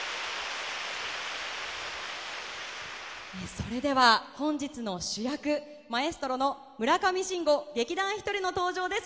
それでは、本日の主役マエストロの村上信五劇団ひとりの登場です。